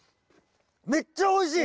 めっちゃおいしい！